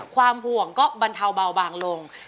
ความห่วงก็บรรเทาเบาบางลง